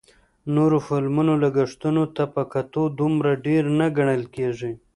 نورو فلمونو لګښتونو ته په کتو دومره ډېر نه ګڼل کېږي